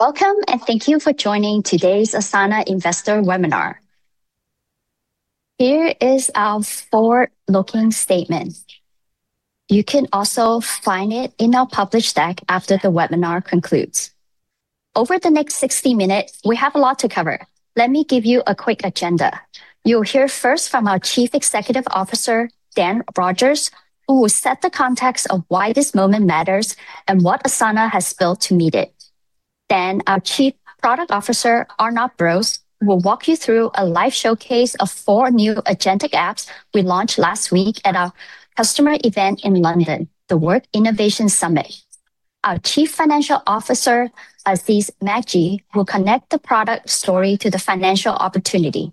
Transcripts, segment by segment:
Welcome, and thank you for joining today's Asana investor webinar. Here is our forward-looking statement. You can also find it in our published deck after the webinar concludes. Over the next 60 minutes, we have a lot to cover. Let me give you a quick agenda. You'll hear first from our Chief Executive Officer, Dan Rogers, who will set the context of why this moment matters and what Asana has built to meet it. Our Chief Product Officer, Arnab Bose, will walk you through a live showcase of four new agentic apps we launched last week at our customer event in London, the Work Innovation Summit. Our Chief Financial Officer, Aziz Megji, will connect the product story to the financial opportunity.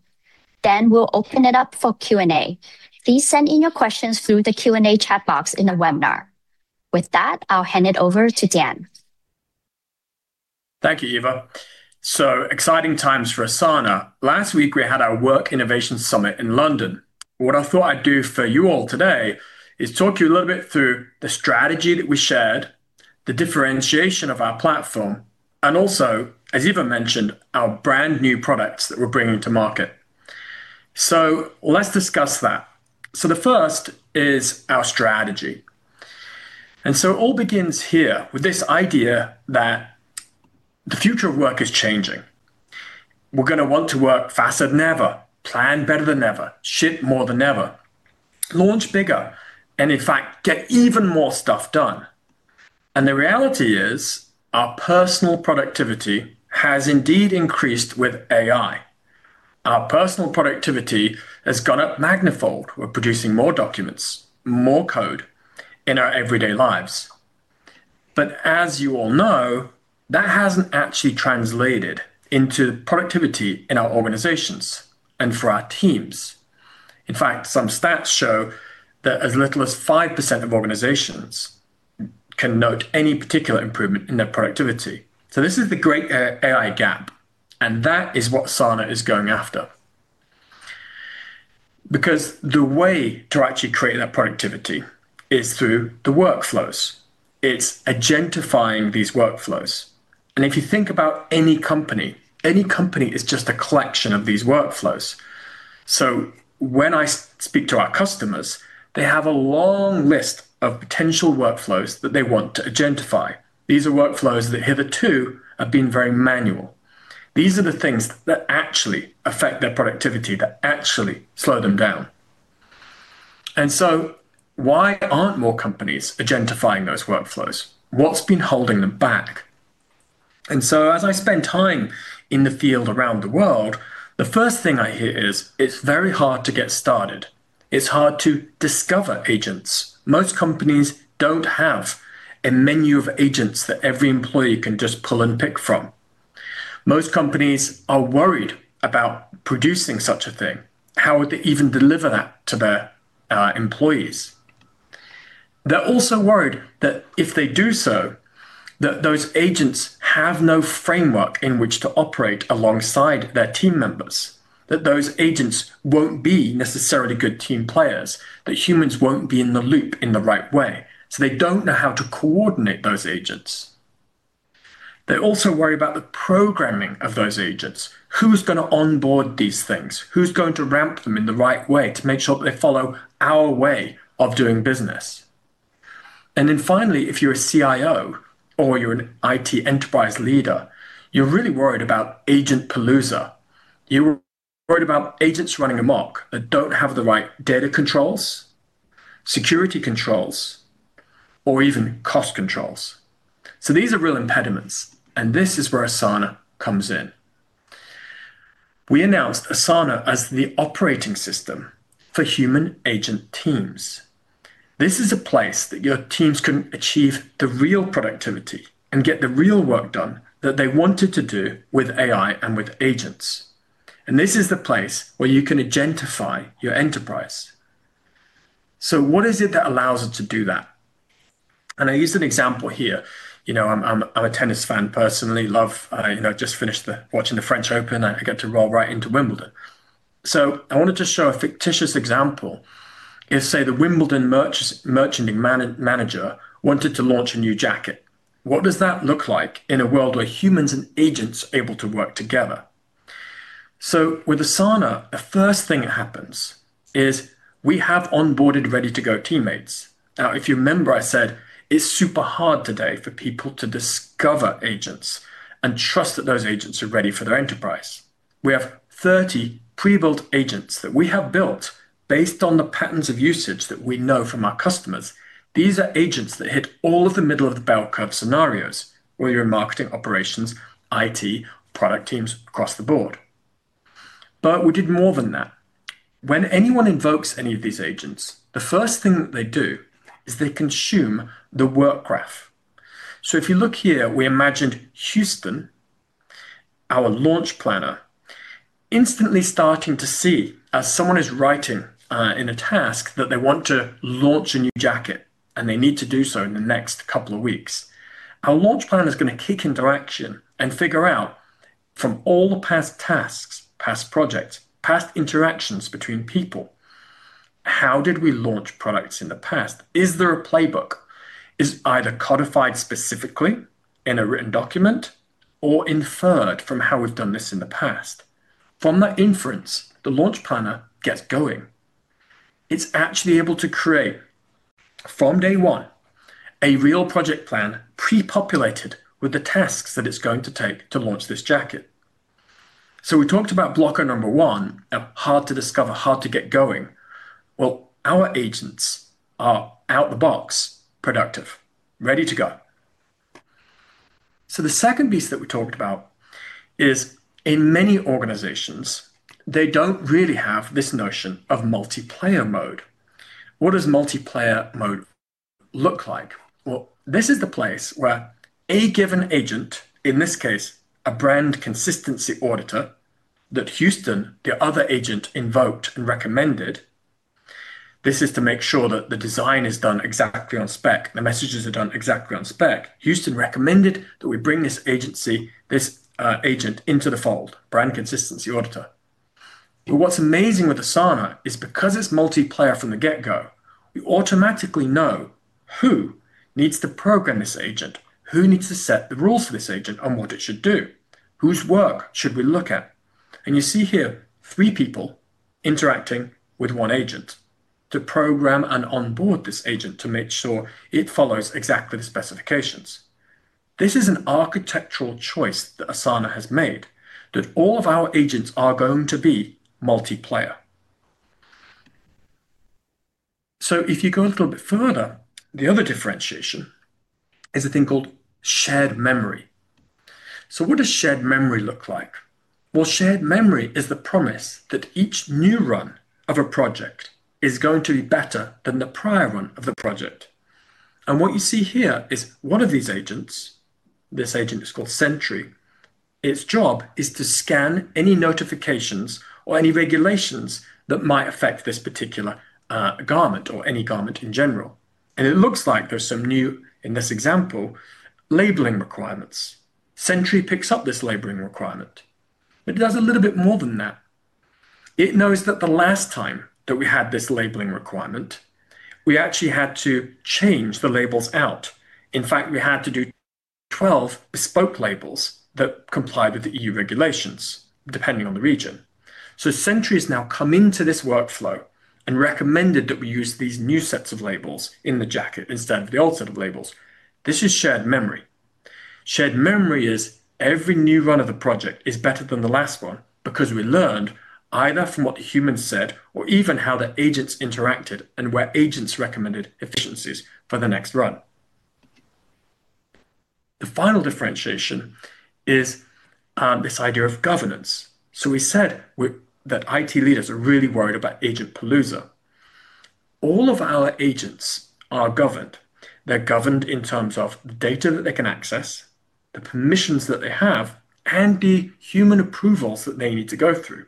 We'll open it up for Q&A. Please send in your questions through the Q&A chat box in the webinar. With that, I'll hand it over to Dan. Thank you, Eva. Exciting times for Asana. Last week we had our Work Innovation Summit in London. What I thought I'd do for you all today is talk you a little bit through the strategy that we shared, the differentiation of our platform, and also, as Eva mentioned, our brand new products that we're bringing to market. Let's discuss that. The first is our strategy. It all begins here with this idea that the future of work is changing. We're going to want to work faster than ever, plan better than ever, ship more than ever, launch bigger, and in fact, get even more stuff done. The reality is, our personal productivity has indeed increased with AI. Our personal productivity has gone up manifold. We're producing more documents, more code in our everyday lives. As you all know, that hasn't actually translated into productivity in our organizations and for our teams. In fact, some stats show that as little as 5% of organizations can note any particular improvement in their productivity. This is the great AI gap, and that is what Asana is going after. Because the way to actually create that productivity is through the workflows. It's agentifying these workflows. If you think about any company, any company is just a collection of these workflows. When I speak to our customers, they have a long list of potential workflows that they want to agentify. These are workflows that hitherto have been very manual. These are the things that actually affect their productivity, that actually slow them down. Why aren't more companies agentifying those workflows? What's been holding them back? As I spend time in the field around the world, the first thing I hear is it's very hard to get started. It's hard to discover agents. Most companies don't have a menu of agents that every employee can just pull and pick from. Most companies are worried about producing such a thing. How would they even deliver that to their employees? They're also worried that if they do so, that those agents have no framework in which to operate alongside their team members, that those agents won't be necessarily good team players, that humans won't be in the loop in the right way. They don't know how to coordinate those agents. They also worry about the programming of those agents. Who's going to onboard these things? Who's going to ramp them in the right way to make sure that they follow our way of doing business? Finally, if you're a CIO or you're an IT enterprise leader, you're really worried about AgentPalooza. You're worried about agents running amok that don't have the right data controls, security controls, or even cost controls. These are real impediments, and this is where Asana comes in. We announced Asana as the operating system for human agent teams. This is a place that your teams can achieve the real productivity and get the real work done that they wanted to do with AI and with agents. This is the place where you can agentify your enterprise. What is it that allows us to do that? I use an example here. I'm a tennis fan, personally, I just finished watching the French Open. I get to roll right into Wimbledon. I wanted to show a fictitious example is, say, the Wimbledon merchandising manager wanted to launch a new jacket. What does that look like in a world where humans and agents are able to work together? With Asana, the first thing that happens is we have onboarded ready-to-go teammates. If you remember, I said it's super hard today for people to discover agents and trust that those agents are ready for their enterprise. We have 30 pre-built agents that we have built based on the patterns of usage that we know from our customers. These are agents that hit all of the middle-of-the-bell-curve scenarios, whether you're in marketing, operations, IT, product teams, across the board. We did more than that. When anyone invokes any of these agents, the first thing that they do is they consume the Work Graph. If you look here, we imagined Houston, our launch planner, instantly starting to see as someone is writing in a task that they want to launch a new jacket, and they need to do so in the next couple of weeks. Our launch plan is going to kick into action and figure out from all the past tasks, past projects, past interactions between people, how did we launch products in the past? Is there a playbook? Is it either codified specifically in a written document or inferred from how we've done this in the past? From that inference, the launch planner gets going. It's actually able to create, from day one, a real project plan pre-populated with the tasks that it's going to take to launch this jacket. We talked about blocker number one, hard to discover, hard to get going. Our agents are out-of-the-box productive, ready to go. The second piece that we talked about is, in many organizations, they don't really have this notion of multiplayer mode. What does multiplayer mode look like? This is the place where a given agent, in this case, a brand consistency auditor that Houston, the other agent, invoked and recommended. This is to make sure that the design is done exactly on spec, the messages are done exactly on spec. Houston recommended that we bring this agent into the fold, brand consistency auditor. What's amazing with Asana is because it's multiplayer from the get-go, we automatically know who needs to program this agent, who needs to set the rules for this agent on what it should do. Whose work should we look at? You see here three people interacting with one agent to program and onboard this agent to make sure it follows exactly the specifications. This is an architectural choice that Asana has made, that all of our agents are going to be multiplayer. If you go a little bit further, the other differentiation is a thing called shared memory. What does shared memory look like? Shared memory is the promise that each new run of a project is going to be better than the prior run of the project. What you see here is one of these agents, this agent is called Sentry. Its job is to scan any notifications or any regulations that might affect this particular garment or any garment in general. It looks like there's some new, in this example, labeling requirements. Sentry picks up this labeling requirement, it does a little bit more than that. It knows that the last time that we had this labeling requirement, we actually had to change the labels out. In fact, we had to do 12 bespoke labels that complied with the EU regulations, depending on the region. Sentry's now come into this workflow and recommended that we use these new sets of labels in the jacket instead of the old set of labels. This is shared memory. Shared memory is every new run of the project is better than the last one because we learned either from what the humans said or even how the agents interacted and where agents recommended efficiencies for the next run. The final differentiation is this idea of governance. We said that IT leaders are really worried about AgentPalooza. All of our agents are governed. They're governed in terms of the data that they can access, the permissions that they have, and the human approvals that they need to go through.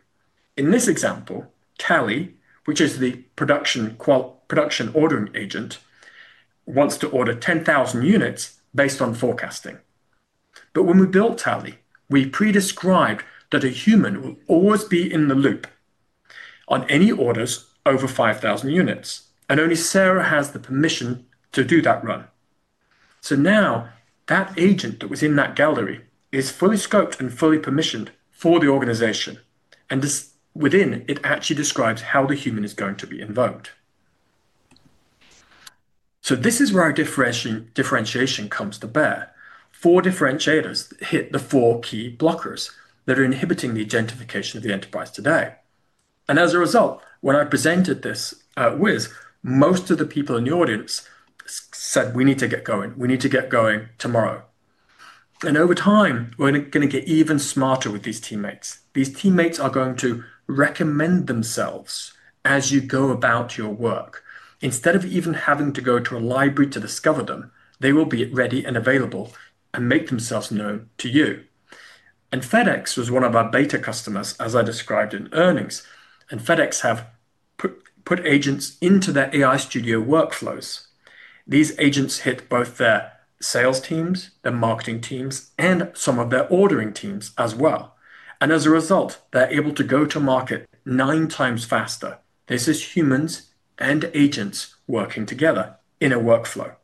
In this example, Tally, which is the production ordering agent, wants to order 10,000 units based on forecasting. When we built Tally, we pre-described that a human will always be in the loop on any orders over 5,000 units, and only Sarah has the permission to do that run. Now that agent that was in that gallery is fully scoped and fully permissioned for the organization. Within, it actually describes how the human is going to be invoked. This is where our differentiation comes to bear. Four differentiators hit the four key blockers that are inhibiting the agentification of the enterprise today. As a result, when I presented this at WIS, most of the people in the audience said, "We need to get going. We need to get going tomorrow." Over time, we're going to get even smarter with these teammates. These teammates are going to recommend themselves as you go about your work. Instead of even having to go to a library to discover them, they will be ready and available and make themselves known to you. FedEx was one of our beta customers, as I described in earnings, FedEx have put agents into their AI Studio workflows. These agents hit both their sales teams, their marketing teams, and some of their ordering teams as well. As a result, they're able to go to market nine times faster. This is humans and agents working together in a workflow.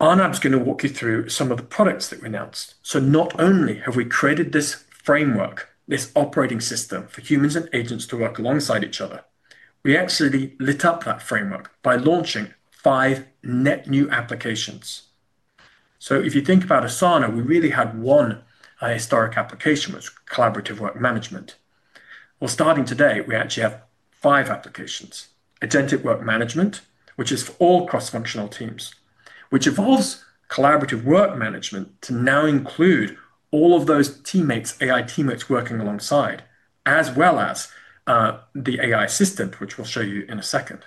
Arnab's going to walk you through some of the products that we announced. Not only have we created this framework, this operating system for humans and agents to work alongside each other, we actually lit up that framework by launching five net new applications. If you think about Asana, we really had one historic application, which was collaborative work management. Well, starting today, we actually have five applications. Agentic Work Management, which is for all cross-functional teams, which evolves collaborative work management to now include all of those AI Teammates, working alongside, as well as the AI system, which we'll show you in a second.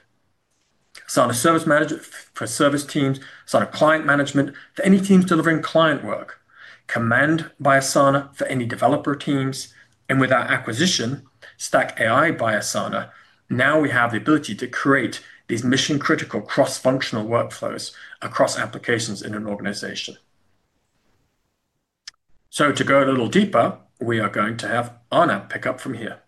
Asana Service Management for service teams, Asana Client Management for any teams delivering client work, Command by Asana for any developer teams. With our acquisition, Stack AI by Asana, now we have the ability to create these mission-critical cross-functional workflows across applications in an organization. To go a little deeper, we are going to have Arnab pick up from here.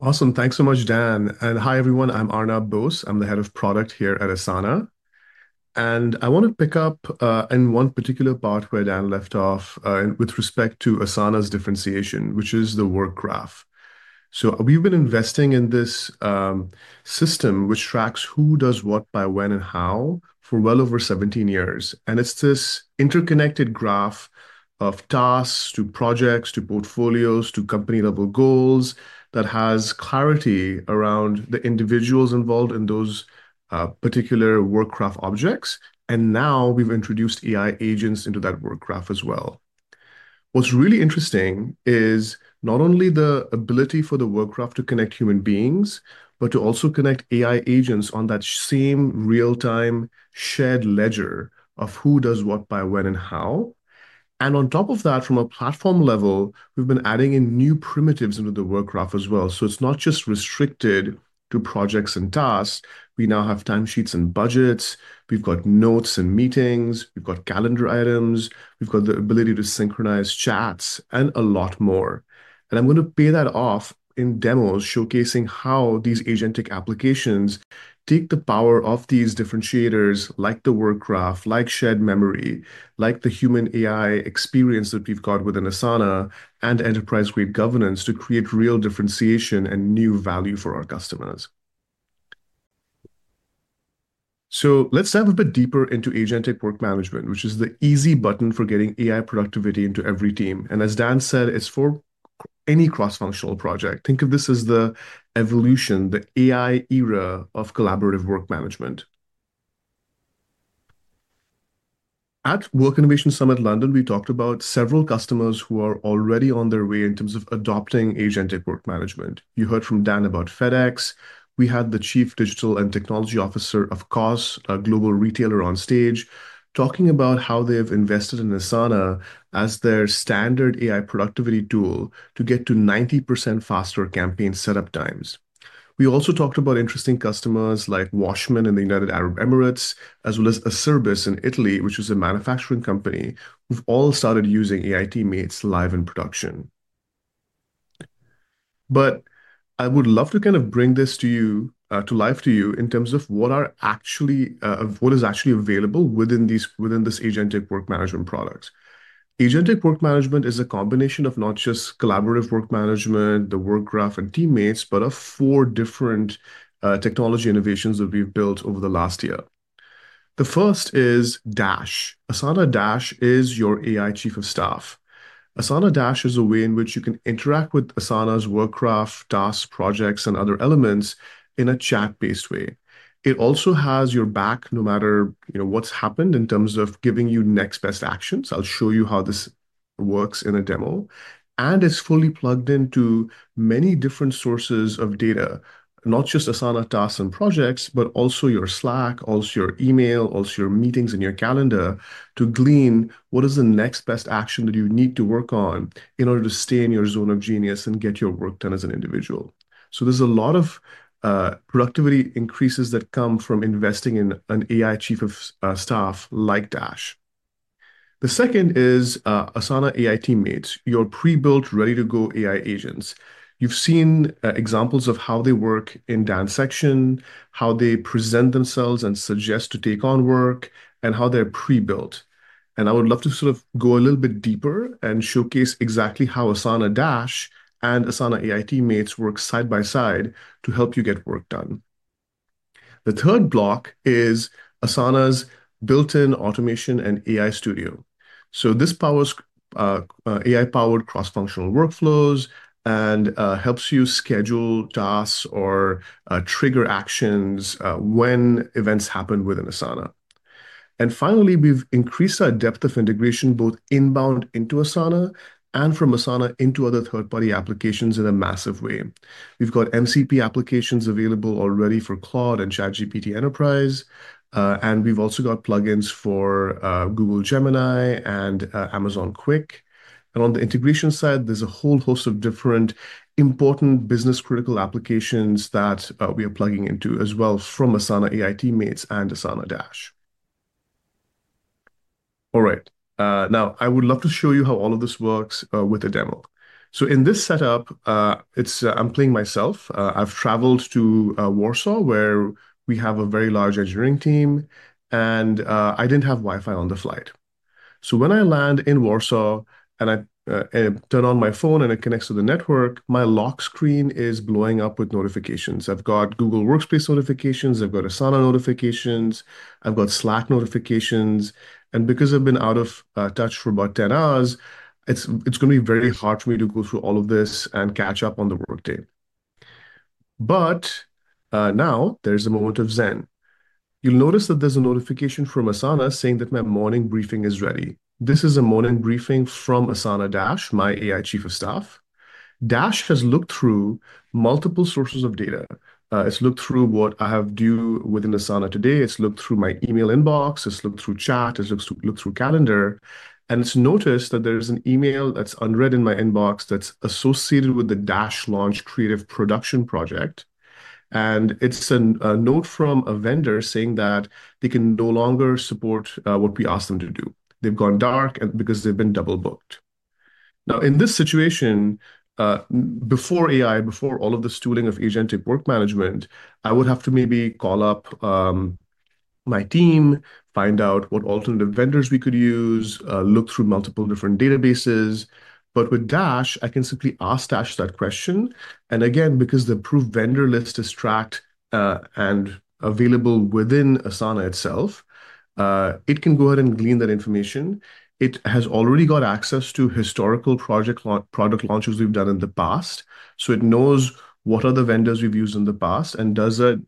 Awesome. Thanks so much, Dan. Hi, everyone. I'm Arnab Bose. I'm the head of product here at Asana. I want to pick up in one particular part where Dan left off with respect to Asana's differentiation, which is the Work Graph. We've been investing in this system which tracks who does what, by when, and how for well over 17 years. It's this interconnected graph of tasks to projects, to portfolios, to company-level goals that has clarity around the individuals involved in those particular Work Graph objects. Now we've introduced AI agents into that Work Graph as well. What's really interesting is not only the ability for the Work Graph to connect human beings, but to also connect AI agents on that same real-time shared ledger of who does what, by when, and how. On top of that, from a platform level, we've been adding in new primitives into the Work Graph as well. It's not just restricted to projects and tasks. We now have timesheets and budgets. We've got notes and meetings. We've got calendar items. We've got the ability to synchronize chats and a lot more. I'm going to pay that off in demos showcasing how these agentic applications take the power of these differentiators, like the Work Graph, like shared memory, like the human AI experience that we've got within Asana, and enterprise-grade governance to create real differentiation and new value for our customers. Let's dive a bit deeper into Agentic Work Management, which is the easy button for getting AI productivity into every team. As Dan said, it's for any cross-functional project. Think of this as the evolution, the AI era of collaborative work management. At Work Innovation Summit London, we talked about several customers who are already on their way in terms of adopting Agentic Work Management. You heard from Dan about FedEx. We had the Chief Digital and Technology Officer, of course, a global retailer on stage talking about how they've invested in Asana as their standard AI productivity tool to get to 90% faster campaign setup times. We also talked about interesting customers like Washmen in the United Arab Emirates, as well as Acerbis in Italy, which is a manufacturing company, who've all started using AI Teammates live in production. I would love to kind of bring this to life to you in terms of what is actually available within these Agentic Work Management products. Agentic Work Management is a combination of not just collaborative work management, the Work Graph, and teammates, but of four different technology innovations that we've built over the last year. The first is Dash. Asana Dash is your AI chief of staff. Asana Dash is a way in which you can interact with Asana's Work Graph, tasks, projects, and other elements in a chat-based way. It also has your back no matter what's happened in terms of giving you next best actions. I'll show you how this works in a demo. It's fully plugged into many different sources of data, not just Asana tasks and projects, but also your Slack, also your email, also your meetings and your calendar to glean what is the next best action that you need to work on in order to stay in your zone of genius and get your work done as an individual. There's a lot of productivity increases that come from investing in an AI chief of staff like Dash. The second is Asana AI Teammates, your pre-built, ready-to-go AI agents. You've seen examples of how they work in Dan's section, how they present themselves and suggest to take on work, and how they're pre-built. I would love to sort of go a little bit deeper and showcase exactly how Asana Dash and Asana AI Teammates work side by side to help you get work done. The third block is Asana's built-in automation and AI Studio. This AI-powered cross-functional workflows and helps you schedule tasks or trigger actions when events happen within Asana. Finally, we've increased our depth of integration, both inbound into Asana and from Asana into other third-party applications in a massive way. We've got MCP applications available already for Claude and ChatGPT Enterprise. We've also got plugins for Google Gemini and Amazon Q. On the integration side, there's a whole host of different important business critical applications that we are plugging into as well from Asana AI Teammates and Asana Dash. All right, now, I would love to show you how all of this works with a demo. In this setup, I'm playing myself. I've traveled to Warsaw, where we have a very large engineering team, and I didn't have Wi-Fi on the flight. When I land in Warsaw and I turn on my phone and it connects to the network, my lock screen is blowing up with notifications. I've got Google Workspace notifications, I've got Asana notifications, I've got Slack notifications. Because I've been out of touch for about 10 hours, it's going to be very hard for me to go through all of this and catch up on the workday. Now there's a moment of zen. You'll notice that there's a notification from Asana saying that my morning briefing is ready. This is a morning briefing from Asana Dash, my AI chief of staff. Dash has looked through multiple sources of data. It's looked through what I have due within Asana today. It's looked through my email inbox. It's looked through chat. It's looked through calendar. It's noticed that there's an email that's unread in my inbox that's associated with the Dash Launch creative production project. It's a note from a vendor saying that they can no longer support what we asked them to do. They've gone dark because they've been double-booked. In this situation, before AI, before all of this tooling of Agentic Work Management, I would have to maybe call up my team, find out what alternative vendors we could use, look through multiple different databases. With Dash, I can simply ask Dash that question. Again, because the approved vendor list is tracked and available within Asana itself, it can go ahead and glean that information. It has already got access to historical project product launches we've done in the past, so it knows what are the vendors we've used in the past and does a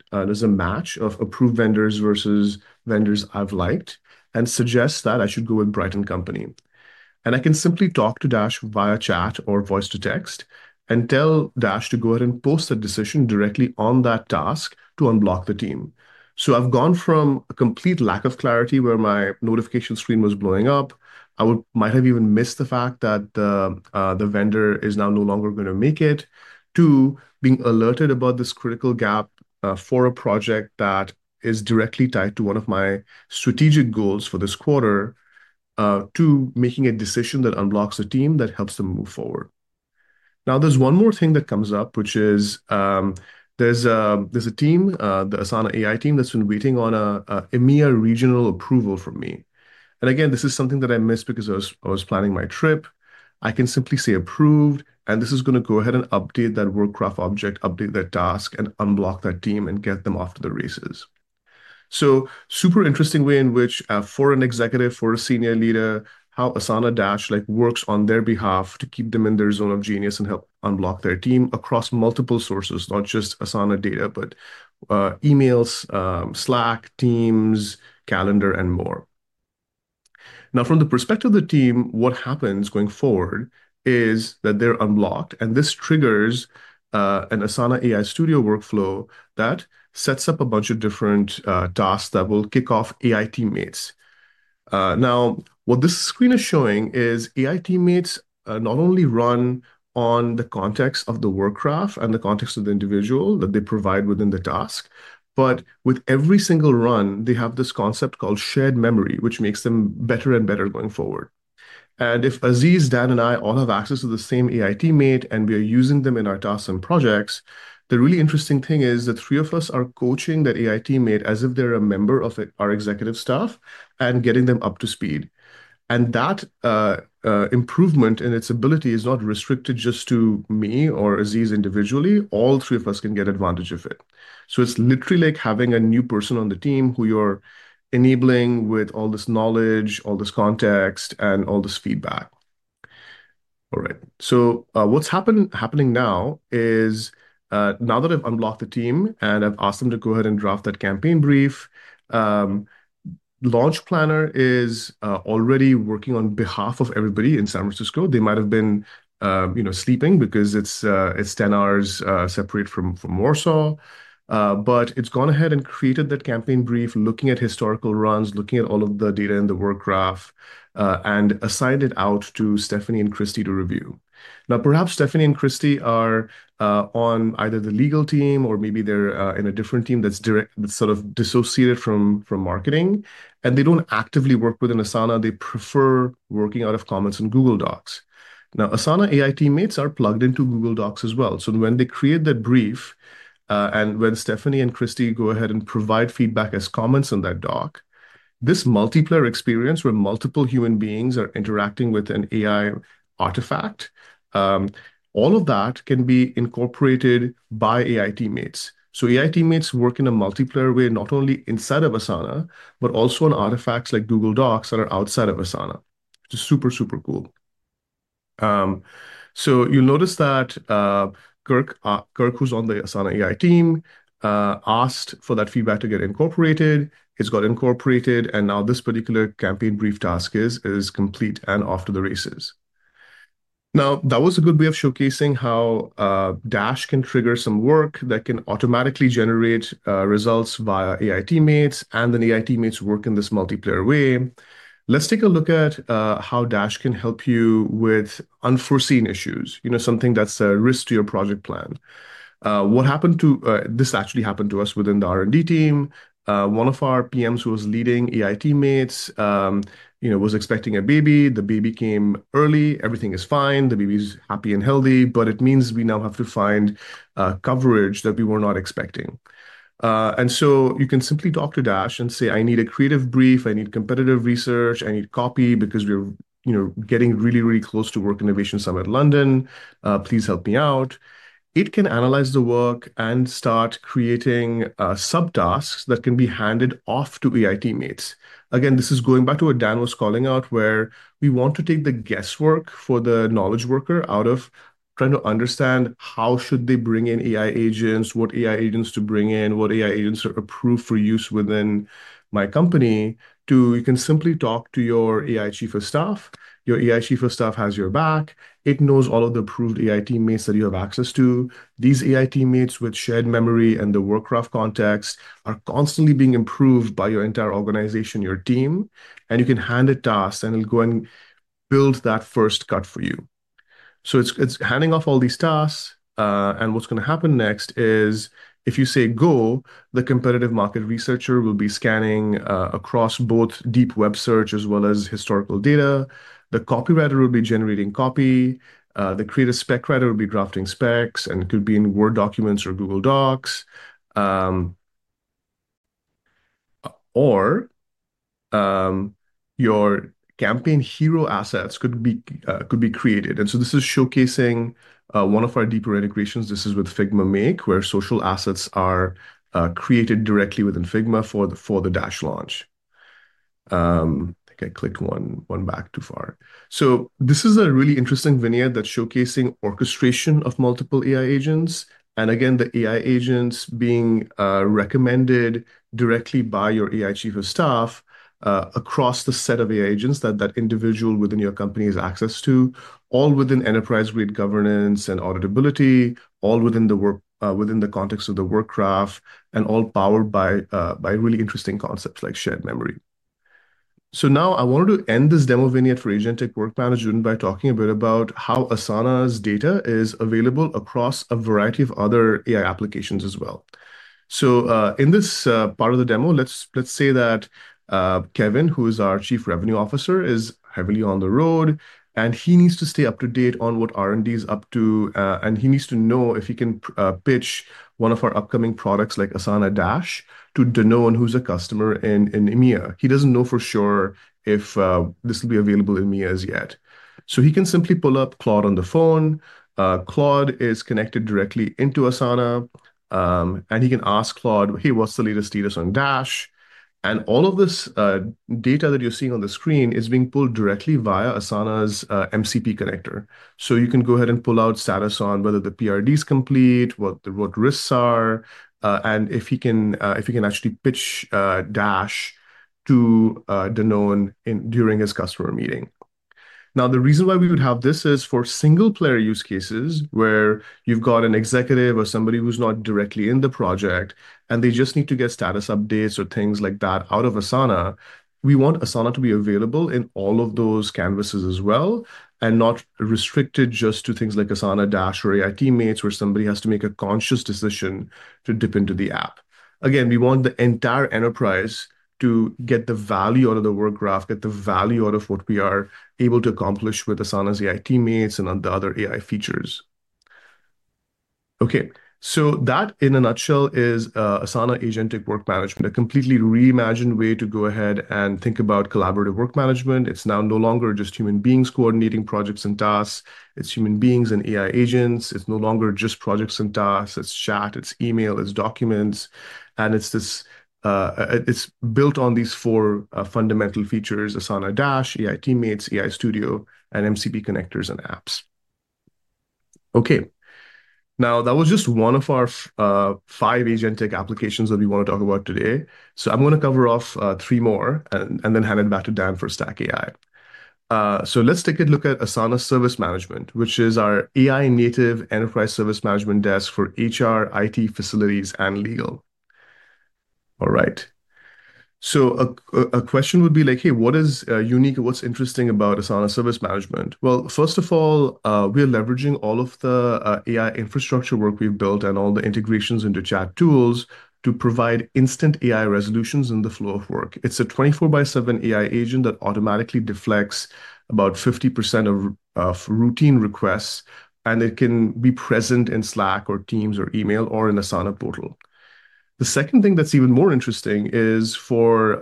match of approved vendors versus vendors I've liked, and suggests that I should go with Brighton Company. I can simply talk to Dash via chat or voice-to-text and tell Dash to go ahead and post a decision directly on that task to unblock the team. I've gone from a complete lack of clarity, where my notification screen was blowing up. I might have even missed the fact that the vendor is now no longer going to make it, to being alerted about this critical gap for a project that is directly tied to one of my strategic goals for this quarter, to making a decision that unblocks a team that helps them move forward. There's one more thing that comes up, which is, there's a team, the Asana AI team, that's been waiting on a EMEA regional approval from me. Again, this is something that I missed because I was planning my trip. I can simply say, "Approved," and this is going to go ahead and update that Work Graph object, update that task, and unblock that team and get them off to the races. Super interesting way in which for an executive, for a senior leader, how Asana Dash works on their behalf to keep them in their zone of genius and help unblock their team across multiple sources. Not just Asana data, but emails, Slack, Teams, Calendar, and more. From the perspective of the team, what happens going forward is that they're unblocked, this triggers an Asana AI Studio workflow that sets up a bunch of different tasks that will kick off Asana AI Teammates. What this screen is showing is Asana AI Teammates not only run on the context of the Work Graph and the context of the individual that they provide within the task, but with every single run, they have this concept called shared memory, which makes them better and better going forward. If Aziz, Dan, and I all have access to the same Asana AI Teammate and we are using them in our tasks and projects, the really interesting thing is the three of us are coaching that Asana AI Teammate as if they're a member of our executive staff and getting them up to speed. That improvement in its ability is not restricted just to me or Aziz individually. All three of us can get advantage of it. It's literally like having a new person on the team who you're enabling with all this knowledge, all this context, and all this feedback. All right, what's happening now is, now that I've unblocked the team and I've asked them to go ahead and draft that campaign brief, Launch Planner is already working on behalf of everybody in San Francisco. They might have been sleeping because it's 10 hours separate from Warsaw. It's gone ahead and created that campaign brief, looking at historical runs, looking at all of the data in the Work Graph, and assigned it out to Stephanie and Christie to review. Perhaps Stephanie and Christie are on either the legal team or maybe they're in a different team that's sort of dissociated from marketing, and they don't actively work within Asana. They prefer working out of comments in Google Docs. Asana AI Teammates are plugged into Google Docs as well. When they create that brief, and when Stephanie and Christie go ahead and provide feedback as comments on that doc, this multiplayer experience where multiple human beings are interacting with an AI artifact, all of that can be incorporated by Asana AI Teammates. Asana AI Teammates work in a multiplayer way, not only inside of Asana, but also on artifacts like Google Docs that are outside of Asana, which is super cool. You'll notice that Kirk, who's on the Asana AI team, asked for that feedback to get incorporated. It's got incorporated, this particular campaign brief task is complete and off to the races. That was a good way of showcasing how Dash can trigger some work that can automatically generate results via Asana AI Teammates, then Asana AI Teammates work in this multiplayer way. Let's take a look at how Dash can help you with unforeseen issues, something that's a risk to your project plan. This actually happened to us within the R&D team. One of our PMs who was leading Asana AI Teammates was expecting a baby. The baby came early. Everything is fine. The baby is happy and healthy. It means we now have to find coverage that we were not expecting. You can simply talk to Dash and say, "I need a creative brief. I need competitive research. I need copy because we're getting really, really close to Work Innovation Summit London. Please help me out." It can analyze the work and start creating subtasks that can be handed off to AI teammates. Again, this is going back to what Dan was calling out, where we want to take the guesswork for the knowledge worker out of trying to understand how should they bring in AI agents, what AI agents to bring in, what AI agents are approved for use within my company, to you can simply talk to your AI chief of staff. Your AI chief of staff has your back. It knows all of the approved AI teammates that you have access to. These AI teammates with shared memory and the Work Graph context are constantly being improved by your entire organization, your team, and you can hand a task, and it'll go and build that first cut for you. So it's handing off all these tasks. What's going to happen next is if you say go, the competitive market researcher will be scanning across both deep web search as well as historical data. The copywriter will be generating copy, the creative spec writer will be drafting specs, and it could be in Word documents or Google Docs. Your campaign hero assets could be created. This is showcasing one of our deeper integrations. This is with Figma Make, where social assets are created directly within Figma for the Dash launch. I think I clicked one back too far. This is a really interesting vignette that's showcasing orchestration of multiple AI agents, and again, the AI agents being recommended directly by your AI chief of staff across the set of AI agents that that individual within your company has access to, all within enterprise-grade governance and auditability, all within the context of the Work Graph and all powered by really interesting concepts like shared memory. Now I wanted to end this demo vignette for Agentic Work Management by talking a bit about how Asana's data is available across a variety of other AI applications as well. In this part of the demo, let's say that Kevin, who is our Chief Revenue Officer, is heavily on the road, and he needs to stay up to date on what R&D is up to. He needs to know if he can pitch one of our upcoming products, like Asana Dash, to Danone, who's a customer in EMEA. He doesn't know for sure if this will be available in EMEA as yet. He can simply pull up Claude on the phone. Claude is connected directly into Asana, he can ask Claude, "Hey, what's the latest status on Dash?" All of this data that you're seeing on the screen is being pulled directly via Asana's MCP connector. You can go ahead and pull out status on whether the PRD is complete, what the risks are, and if he can actually pitch Dash to Danone during his customer meeting. The reason why we would have this is for single-player use cases where you've got an executive or somebody who's not directly in the project, and they just need to get status updates or things like that out of Asana. We want Asana to be available in all of those canvases as well and not restricted just to things like Asana Dash or Asana AI Teammates, where somebody has to make a conscious decision to dip into the app. Again, we want the entire enterprise to get the value out of the Work Graph. Get the value out of what we are able to accomplish with Asana's AI Teammates and the other AI features. So that in a nutshell is Asana Agentic Work Management, a completely reimagined way to go ahead and think about collaborative work management. It's now no longer just human beings coordinating projects and tasks. It's human beings and AI agents. It's no longer just projects and tasks. It's chat, it's email, it's documents, and it's built on these four fundamental features, Asana Dash, Asana AI Teammates, AI Studio, and MCP connectors and apps. That was just one of our five agentic applications that we want to talk about today. I'm going to cover off three more and then hand it back to Dan for Stack AI. Let's take a look at Asana Service Management, which is our AI-native enterprise service management desk for HR, IT, facilities, and legal. All right. A question would be like, "Hey, what is unique? What's interesting about Asana Service Management?" First of all, we are leveraging all of the AI infrastructure work we've built and all the integrations into chat tools to provide instant AI resolutions in the flow of work. It's a 24/7 AI agent that automatically deflects about 50% of routine requests, and it can be present in Slack or Microsoft Teams or email or in Asana portal. The second thing that's even more interesting is for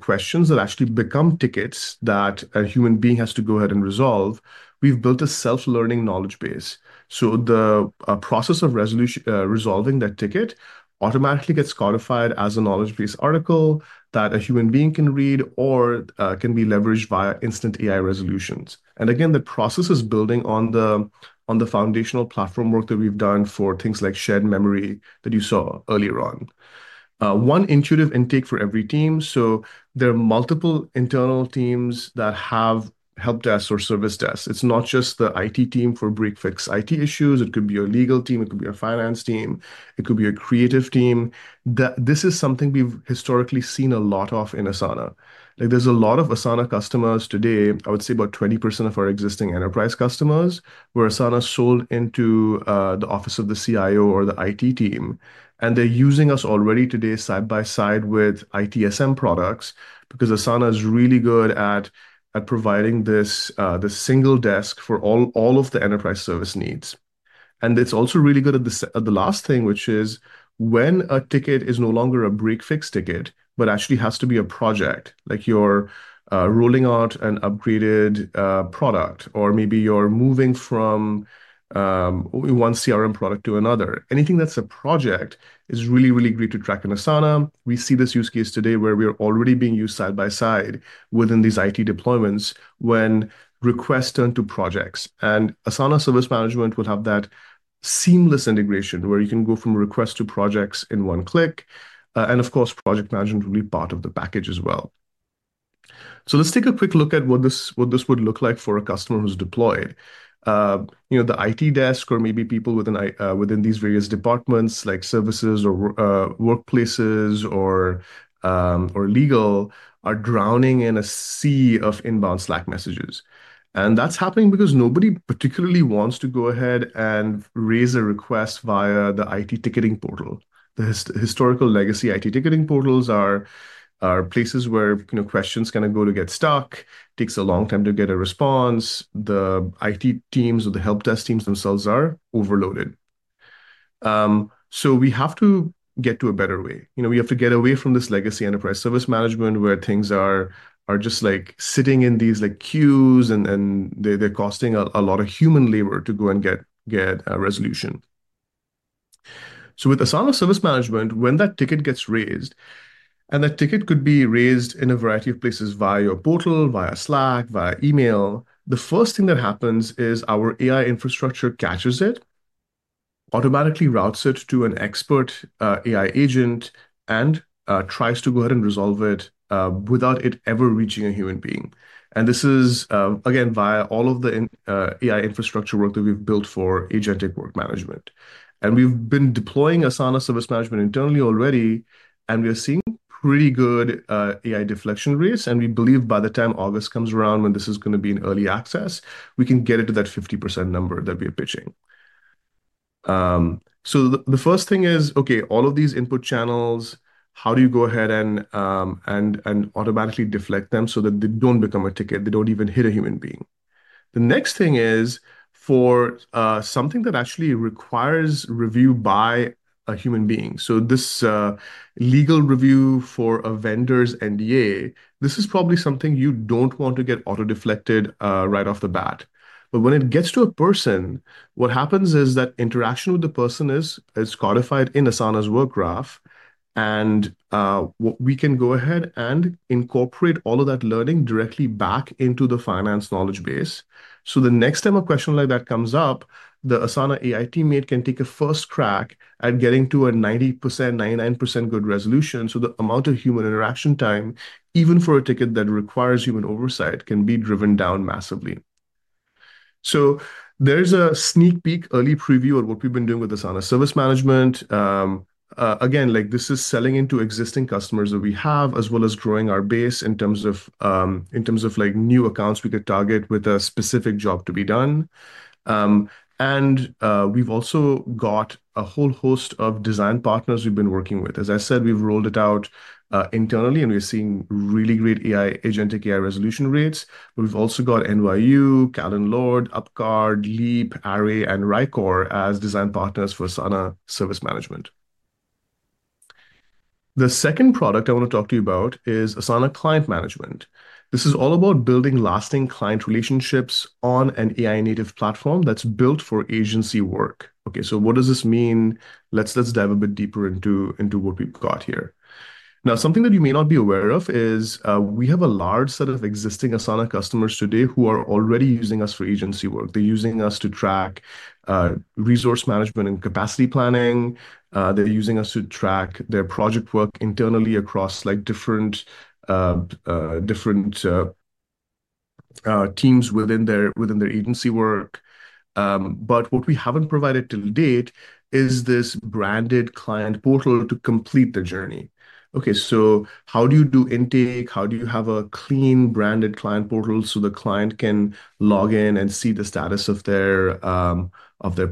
questions that actually become tickets that a human being has to go ahead and resolve, we've built a self-learning knowledge base. The process of resolving that ticket automatically gets codified as a knowledge base article that a human being can read or can be leveraged via instant AI resolutions. Again, the process is building on the foundational platform work that we've done for things like shared memory that you saw earlier on. One intuitive intake for every team. There are multiple internal teams that have help desks or service desks. It's not just the IT team for break/fix IT issues. It could be your legal team, it could be your finance team, it could be your creative team. This is something we've historically seen a lot of in Asana. There's a lot of Asana customers today, I would say about 20% of our existing enterprise customers, where Asana sold into the office of the CIO or the IT team. They're using us already today side by side with ITSM products because Asana is really good at providing this single desk for all of the enterprise service needs. It's also really good at the last thing, which is when a ticket is no longer a break/fix ticket, but actually has to be a project, like you're rolling out an upgraded product, or maybe you're moving from one CRM product to another. Anything that's a project is really, really great to track in Asana. We see this use case today where we are already being used side by side within these IT deployments when requests turn to projects. Asana Service Management will have that seamless integration where you can go from request to projects in one click. Of course, project management will be part of the package as well. Let's take a quick look at what this would look like for a customer who's deployed. The IT desk or maybe people within these various departments, like services or workplaces or legal, are drowning in a sea of inbound Slack messages. That's happening because nobody particularly wants to go ahead and raise a request via the IT ticketing portal. The historical legacy IT ticketing portals are places where questions kind of go to get stuck, takes a long time to get a response. The IT teams or the help desk teams themselves are overloaded. We have to get to a better way. We have to get away from this legacy enterprise service management where things are just sitting in these queues and they're costing a lot of human labor to go and get a resolution. With Asana Service Management, when that ticket gets raised, and that ticket could be raised in a variety of places, via portal, via Slack, via email, the first thing that happens is our AI infrastructure catches it, automatically routes it to an expert AI agent, and tries to go ahead and resolve it without it ever reaching a human being. This is, again, via all of the AI infrastructure work that we've built for Agentic Work Management. We've been deploying Asana Service Management internally already, and we are seeing pretty good AI deflection rates. We believe by the time August comes around, when this is going to be in early access, we can get it to that 50% number that we are pitching. The first thing is, okay, all of these input channels, how do you go ahead and automatically deflect them so that they don't become a ticket, they don't even hit a human being? The next thing is for something that actually requires review by a human being. This legal review for a vendor's NDA, this is probably something you don't want to get auto-deflected right off the bat. When it gets to a person, what happens is that interaction with the person is codified in Asana's Work Graph, and we can go ahead and incorporate all of that learning directly back into the finance knowledge base. The next time a question like that comes up, the Asana AI Teammate can take a first crack at getting to a 90%, 99% good resolution. The amount of human interaction time, even for a ticket that requires human oversight, can be driven down massively. There's a sneak peek early preview of what we've been doing with Asana Service Management. Again, this is selling into existing customers that we have, as well as growing our base in terms of new accounts we could target with a specific job to be done. We've also got a whole host of design partners we've been working with. As I said, we've rolled it out internally and we're seeing really great agentic AI resolution rates. We've also got NYU, Callen-Lorde, UpGuard, LEAP, Array, and Rycor as design partners for Asana Service Management. The second product I want to talk to you about is Asana Client Management. This is all about building lasting client relationships on an AI-native platform that's built for agency work. What does this mean? Let's dive a bit deeper into what we've got here. Something that you may not be aware of is we have a large set of existing Asana customers today who are already using us for agency work. They're using us to track resource management and capacity planning. They're using us to track their project work internally across different teams within their agency work. What we haven't provided till date is this branded client portal to complete the journey. How do you do intake? How do you have a clean, branded client portal so the client can log in and see the status of their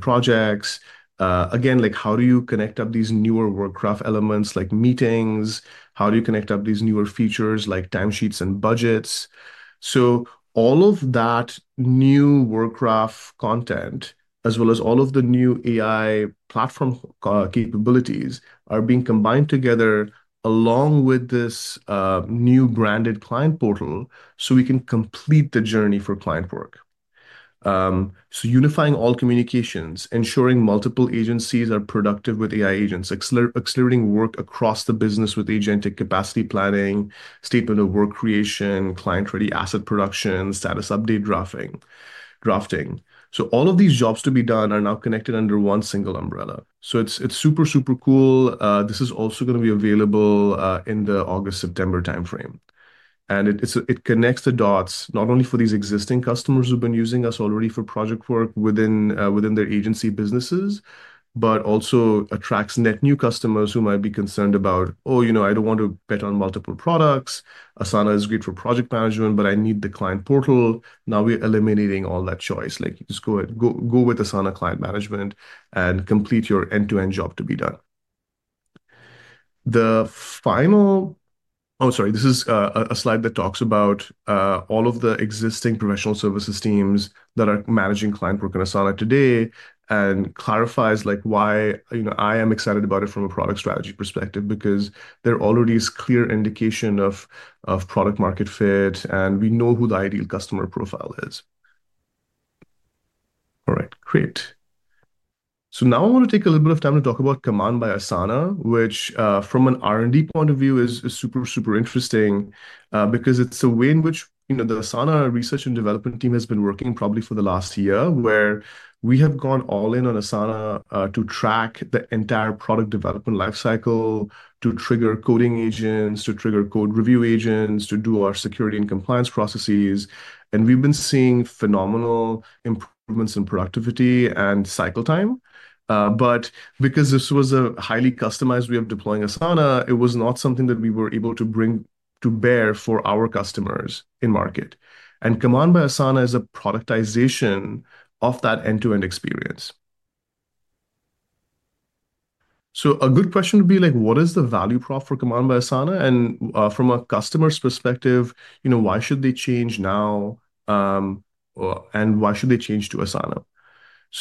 projects? Again, how do you connect up these newer Work Graph elements like meetings? How do you connect up these newer features like time sheets and budgets? All of that new Work Graph content, as well as all of the new AI platform capabilities, are being combined together along with this new branded client portal so we can complete the journey for client work. Unifying all communications, ensuring multiple agencies are productive with AI agents, accelerating work across the business with agentic capacity planning, statement of work creation, client-ready asset production, status update drafting. All of these jobs to be done are now connected under one single umbrella. It's super cool. This is also going to be available in the August-September timeframe. It connects the dots, not only for these existing customers who've been using us already for project work within their agency businesses, but also attracts net new customers who might be concerned about, "Oh, I don't want to bet on multiple products. Asana is great for project management, but I need the client portal." Now we're eliminating all that choice. Just go with Asana Client Management and complete your end-to-end job to be done. Oh, sorry. This is a slide that talks about all of the existing professional services teams that are managing client work in Asana today and clarifies why I am excited about it from a product strategy perspective because there already is clear indication of product market fit, and we know who the ideal customer profile is. All right. Great. Now I want to take a little bit of time to talk about Command by Asana, which, from an R&D point of view, is super interesting because it's a way in which the Asana research and development team has been working probably for the last year, where we have gone all in on Asana to track the entire product development life cycle, to trigger coding agents, to trigger code review agents, to do our security and compliance processes. We've been seeing phenomenal improvements in productivity and cycle time. Because this was a highly customized way of deploying Asana, it was not something that we were able to bring to bear for our customers in market. Command by Asana is a productization of that end-to-end experience. A good question would be, what is the value prop for Command by Asana? From a customer's perspective, why should they change now, and why should they change to Asana?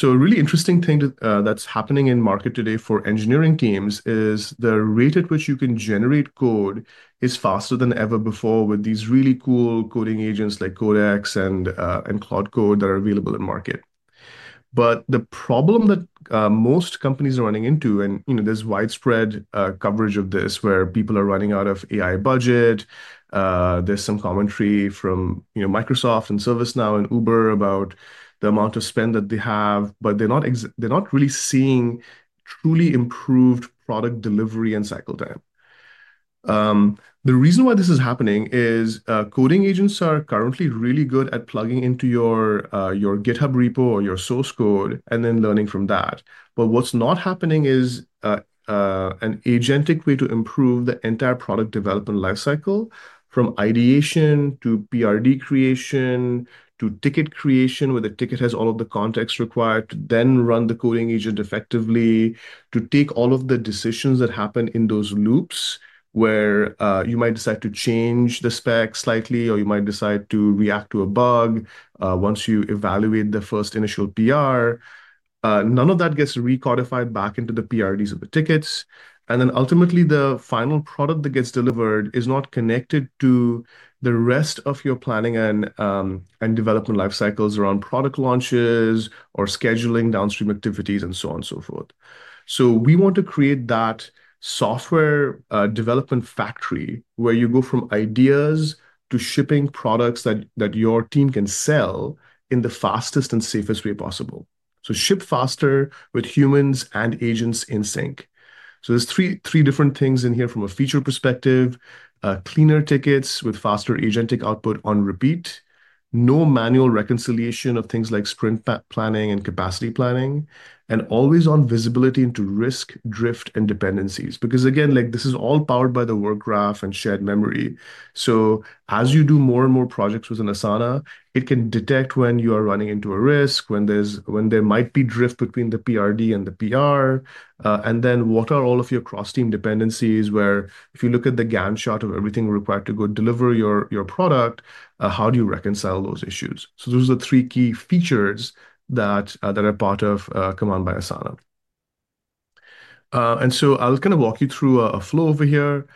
A really interesting thing that's happening in market today for engineering teams is the rate at which you can generate code is faster than ever before with these really cool coding agents like Codex and Claude Code that are available in market. The problem that most companies are running into, and there's widespread coverage of this, where people are running out of AI budget. There's some commentary from Microsoft and ServiceNow and Uber about the amount of spend that they have, but they're not really seeing truly improved product delivery and cycle time. The reason why this is happening is coding agents are currently really good at plugging into your GitHub repo or your source code and then learning from that. What's not happening is an agentic way to improve the entire product development life cycle, from ideation to PRD creation, to ticket creation, where the ticket has all of the context required to then run the coding agent effectively, to take all of the decisions that happen in those loops, where you might decide to change the spec slightly or you might decide to react to a bug once you evaluate the first initial PR. None of that gets recodified back into the PRDs of the tickets. Ultimately, the final product that gets delivered is not connected to the rest of your planning and development life cycles around product launches or scheduling downstream activities and so on and so forth. We want to create that software development factory where you go from ideas to shipping products that your team can sell in the fastest and safest way possible. Ship faster with humans and agents in sync. There's three different things in here from a feature perspective. Cleaner tickets with faster agentic output on repeat, no manual reconciliation of things like sprint planning and capacity planning, and always-on visibility into risk, drift, and dependencies. Because, again, this is all powered by the Work Graph and shared memory, as you do more and more projects within Asana, it can detect when you are running into a risk, when there might be drift between the PRD and the PR. What are all of your cross-team dependencies, where if you look at the Gantt chart of everything required to go deliver your product, how do you reconcile those issues? Those are the three key features that are part of Command by Asana. I'll kind of walk you through a flow over here,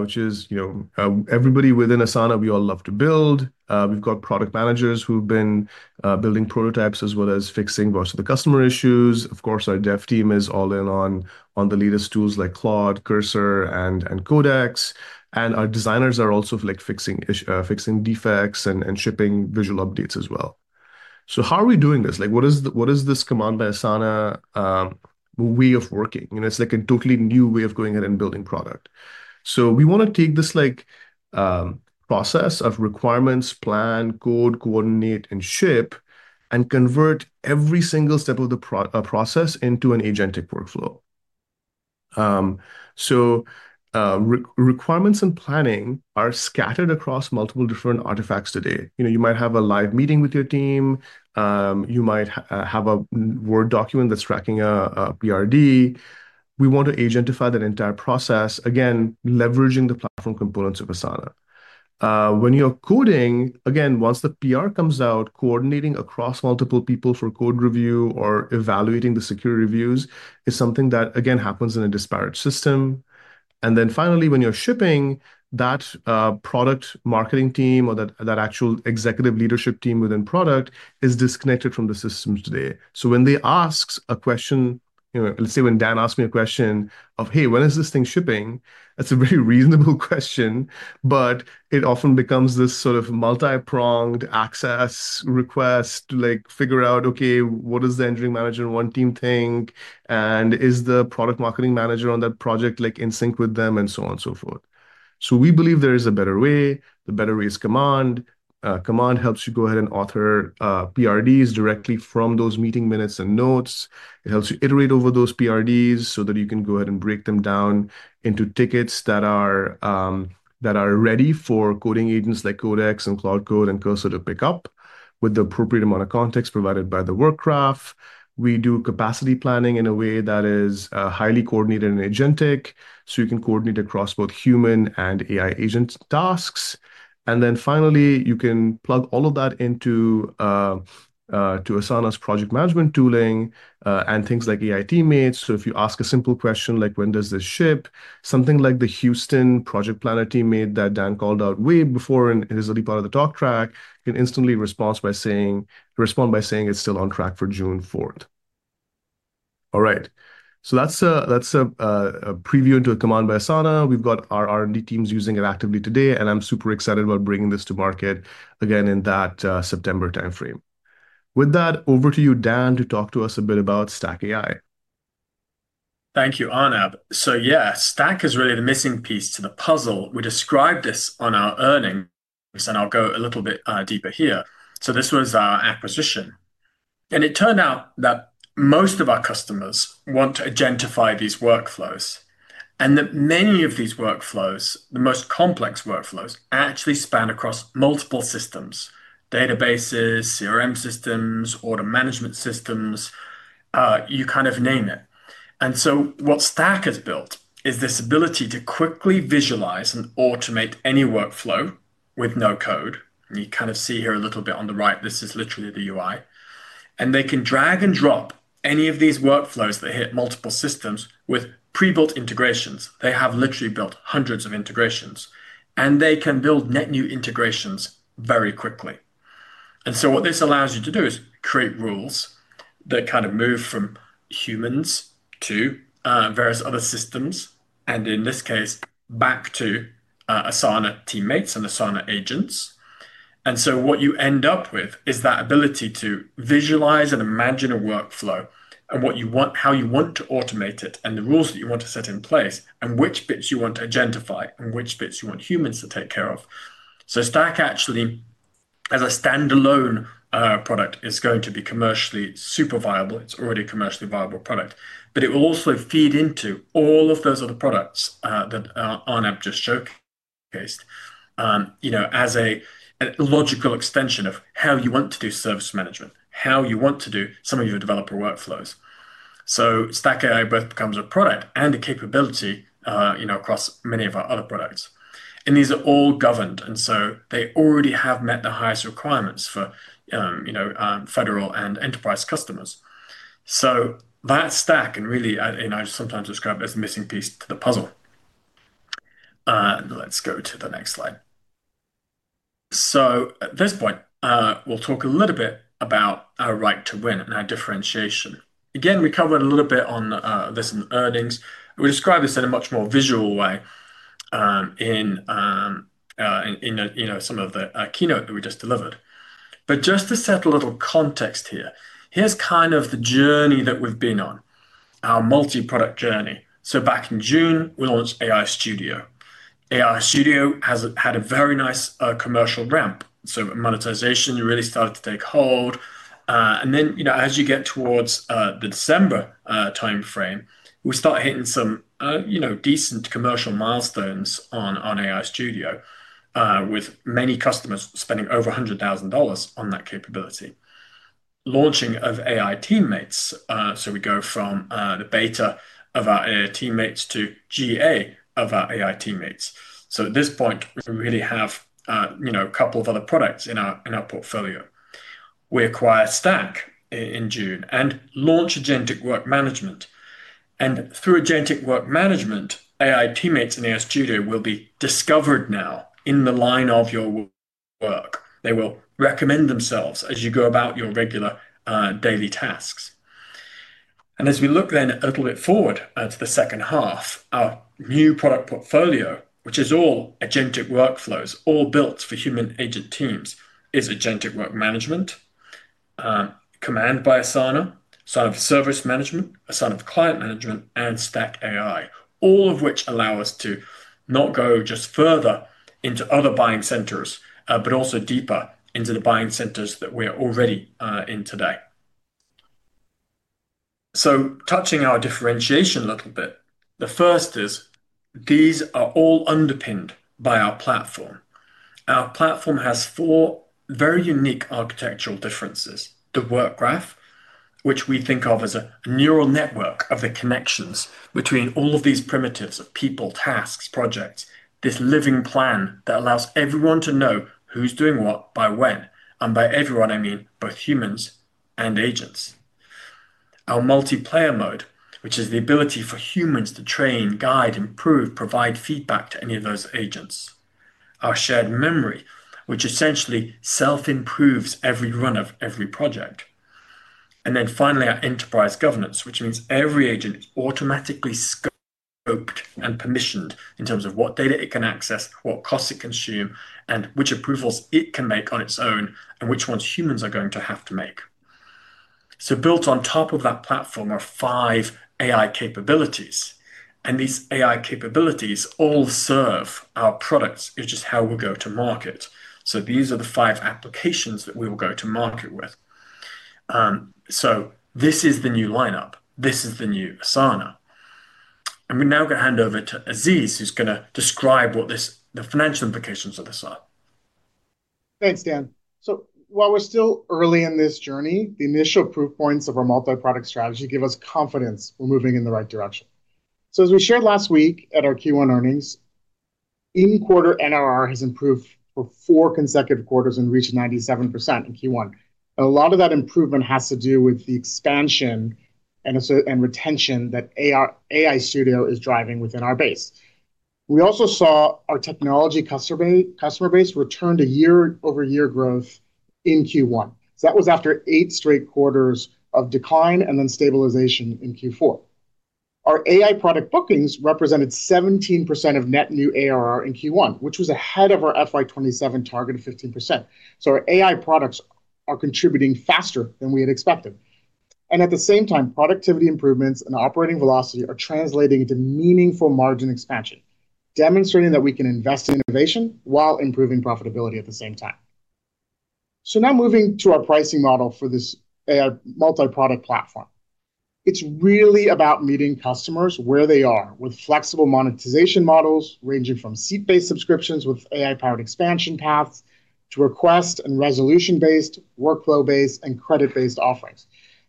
which is everybody within Asana, we all love to build. We've got product managers who've been building prototypes as well as fixing most of the customer issues. Of course, our dev team is all in on the latest tools like Claude, Cursor, and Codex. Our designers are also fixing defects and shipping visual updates as well. How are we doing this? What is this Command by Asana way of working? It's like a totally new way of going ahead and building product. We want to take this process of requirements, plan, code, coordinate, and ship, and convert every single step of the process into an agentic workflow. Requirements and planning are scattered across multiple different artifacts today. You might have a live meeting with your team. You might have a Word document that's tracking a PRD. We want to agentify that entire process, again, leveraging the platform components of Asana. When you're coding, again, once the PR comes out, coordinating across multiple people for code review or evaluating the security views is something that, again, happens in a disparate system. Finally, when you're shipping, that product marketing team or that actual executive leadership team within product is disconnected from the systems today. When they ask a question, let's say when Dan asked me a question of, "Hey, when is this thing shipping?" That's a very reasonable question, but it often becomes this sort of multi-pronged access request to figure out, okay, what does the engineering manager and one team think, and is the product marketing manager on that project in sync with them, and so on and so forth. We believe there is a better way. The better way is Command. Command helps you go ahead and author PRDs directly from those meeting minutes and notes. It helps you iterate over those PRDs so that you can go ahead and break them down into tickets that are ready for coding agents like Codex and Claude Code and Cursor to pick up with the appropriate amount of context provided by the Work Graph. We do capacity planning in a way that is highly coordinated and agentic, so you can coordinate across both human and AI agent tasks. Finally, you can plug all of that into Asana's project management tooling, and things like AI Teammates. If you ask a simple question like, "When does this ship?" Something like the Houston project planner teammate that Dan called out way before, and it is a part of the talk track, can instantly respond by saying it's still on track for June 4th. All right. That's a preview into a Command by Asana. We've got our R&D teams using it actively today, and I'm super excited about bringing this to market again in that September timeframe. With that, over to you, Dan, to talk to us a bit about Stack AI. Thank you, Arnab. Yeah, Stack AI is really the missing piece to the puzzle. We described this on our earnings, and I'll go a little bit deeper here. This was our acquisition. It turned out that most of our customers want to agentify these workflows. That many of these workflows, the most complex workflows, actually span across multiple systems, databases, CRM systems, order management systems, you kind of name it. What Stack AI has built is this ability to quickly visualize and automate any workflow with no code. You kind of see here a little bit on the right, this is literally the UI. They can drag and drop any of these workflows that hit multiple systems with pre-built integrations. They have literally built hundreds of integrations. They can build net new integrations very quickly. What this allows you to do is create rules that kind of move from humans to various other systems, and in this case, back to Asana teammates and Asana agents. What you end up with is that ability to visualize and imagine a workflow and how you want to automate it, and the rules that you want to set in place, and which bits you want to agentify and which bits you want humans to take care of. Stack actually, as a standalone product, is going to be commercially super viable. It's already a commercially viable product. It will also feed into all of those other products that Arnab just showcased as a logical extension of how you want to do service management, how you want to do some of your developer workflows. Stack AI both becomes a product and a capability across many of our other products. These are all governed, they already have met the highest requirements for federal and enterprise customers. That's Stack, and really, I sometimes describe it as the missing piece to the puzzle. Let's go to the next slide. At this point, we will talk a little bit about our right to win and our differentiation. Again, we covered a little bit on this in earnings. We described this in a much more visual way in some of the keynote that we just delivered. Just to set a little context here's kind of the journey that we've been on, our multi-product journey. Back in June, we launched AI Studio. AI Studio has had a very nice commercial ramp. Monetization really started to take hold. As you get towards the December timeframe, we start hitting some decent commercial milestones on AI Studio with many customers spending over $100,000 on that capability. Launching of AI teammates. We go from the beta of our AI teammates to GA of our AI teammates. At this point, we really have a couple of other products in our portfolio. We acquire Stack in June and launch Agentic Work Management. Through Agentic Work Management, AI teammates in AI Studio will be discovered now in the line of your work. They will recommend themselves as you go about your regular daily tasks. As we look then a little bit forward to the second half, our new product portfolio, which is all agentic workflows, all built for human-agent teams, is Agentic Work Management, Command by Asana, Asana Service Management, Asana Client Management, and Stack AI, all of which allow us to not go just further into other buying centers, but also deeper into the buying centers that we're already in today. Touching our differentiation a little bit. The first is these are all underpinned by our platform. Our platform has four very unique architectural differences. The Work Graph, which we think of as a neural network of the connections between all of these primitives of people, tasks, projects. This living plan that allows everyone to know who's doing what by when, and by everyone, I mean both humans and agents. Our multiplayer mode, which is the ability for humans to train, guide, improve, provide feedback to any of those agents. Our shared memory, which essentially self-improves every run of every project. Finally, our enterprise governance, which means every agent is automatically scoped and permissioned in terms of what data it can access, what costs it consume, and which approvals it can make on its own, and which ones humans are going to have to make. Built on top of that platform are five AI capabilities, and these AI capabilities all serve our products, which is how we'll go to market. These are the five applications that we will go to market with. This is the new lineup. This is the new Asana. We're now going to hand over to Aziz, who's going to describe what the financial implications of this are. Thanks, Dan. While we're still early in this journey, the initial proof points of our multi-product strategy give us confidence we're moving in the right direction. As we shared last week at our Q1 earnings, in quarter NRR has improved for four consecutive quarters and reached 97% in Q1. A lot of that improvement has to do with the expansion and retention that AI Studio is driving within our base. We also saw our technology customer base returned a year-over-year growth in Q1. That was after eight straight quarters of decline and then stabilization in Q4. Our AI product bookings represented 17% of net new ARR in Q1, which was ahead of our FY 2027 target of 15%. Our AI products are contributing faster than we had expected. At the same time, productivity improvements and operating velocity are translating into meaningful margin expansion, demonstrating that we can invest in innovation while improving profitability at the same time. Now moving to our pricing model for this AI multiproduct platform. It's really about meeting customers where they are with flexible monetization models, ranging from seat-based subscriptions with AI-powered expansion paths to request and resolution-based, workflow-based, and credit-based offerings.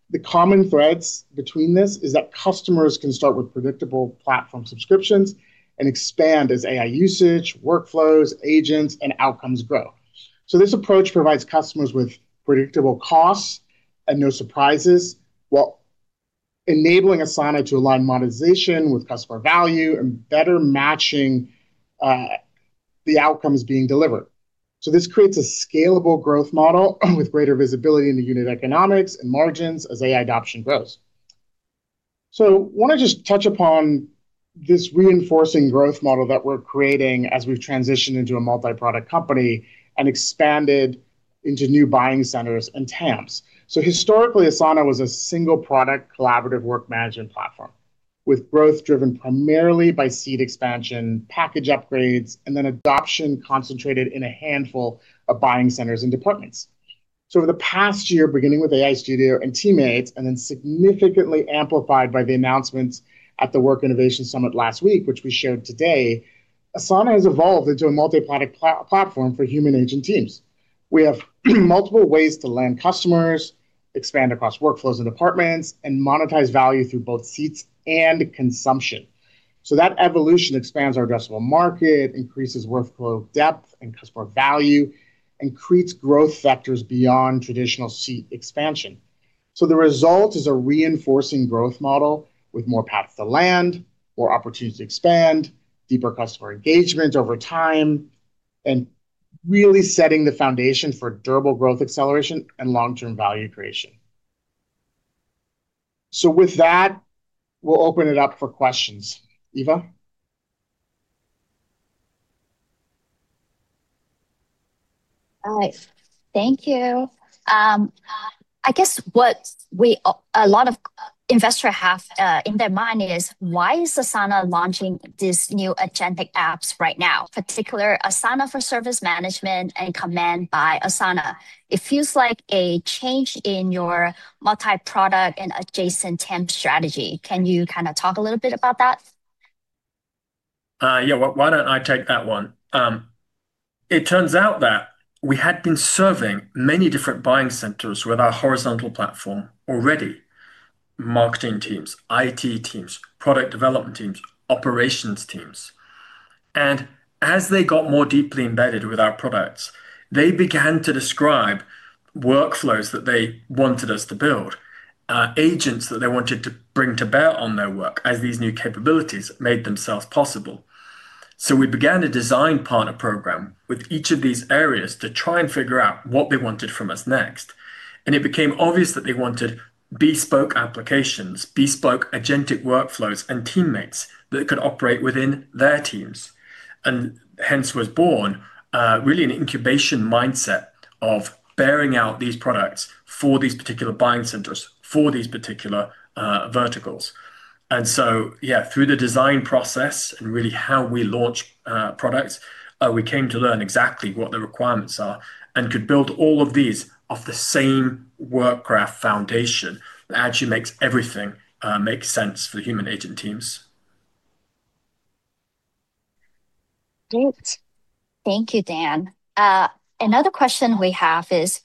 The common threads between this is that customers can start with predictable platform subscriptions and expand as AI usage, workflows, agents, and outcomes grow. This approach provides customers with predictable costs and no surprises, while enabling Asana to align monetization with customer value and better matching the outcomes being delivered. This creates a scalable growth model with greater visibility into unit economics and margins as AI adoption grows. Want to just touch upon this reinforcing growth model that we're creating as we've transitioned into a multiproduct company and expanded into new buying centers and TAMs. Historically, Asana was a single-product collaborative work management platform with growth driven primarily by seat expansion, package upgrades, and then adoption concentrated in a handful of buying centers and departments. Over the past year, beginning with AI Studio and Teammates, and then significantly amplified by the announcements at the Work Innovation Summit last week, which we shared today, Asana has evolved into a multiproduct platform for human agent teams. We have multiple ways to land customers, expand across workflows and departments, and monetize value through both seats and consumption. That evolution expands our addressable market, increases workflow depth and customer value, and creates growth vectors beyond traditional seat expansion. The result is a reinforcing growth model with more paths to land, more opportunities to expand, deeper customer engagement over time, and really setting the foundation for durable growth acceleration and long-term value creation. With that, we'll open it up for questions. Eva? All right. Thank you. I guess what a lot of investors have in their mind is why is Asana launching these new agentic apps right now, particular Asana Service Management and Command by Asana. It feels like a change in your multiproduct and adjacent TAM strategy. Can you kind of talk a little bit about that? Yeah. Why don't I take that one? It turns out that we had been serving many different buying centers with our horizontal platform already. Marketing teams, IT teams, product development teams, operations teams. As they got more deeply embedded with our products, they began to describe workflows that they wanted us to build, agents that they wanted to bring to bear on their work as these new capabilities made themselves possible. We began a design partner program with each of these areas to try and figure out what they wanted from us next. It became obvious that they wanted bespoke applications, bespoke agentic workflows, and teammates that could operate within their teams. Hence was born, really an incubation mindset of bearing out these products for these particular buying centers, for these particular verticals. Yeah, through the design process and really how we launch products, we came to learn exactly what the requirements are and could build all of these off the same Work Graph foundation that actually makes everything make sense for the human agent teams. Great. Thank you, Dan. Another question we have is